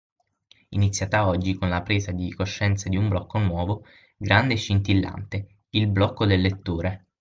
Iniziata oggi con la presa di coscienza di un blocco nuovo, grande e scintillante: il blocco del lettore.